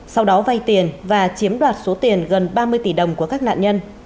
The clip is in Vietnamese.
sau đó vay tiền và chiếm đoạt số tiền gần ba mươi tỷ đồng của các nạn nhân